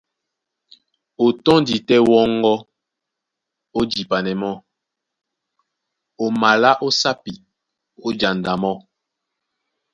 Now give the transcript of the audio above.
O tɔ́ndi tɛ́ wɔ́ŋgɔ́ ó jipanɛ mɔ́, o malá ó sápi, ó janda mɔ́.